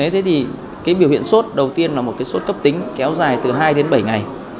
thế thì cái biểu hiện sốt đầu tiên là một cái sốt cấp tính kéo dài từ hai đến bảy ngày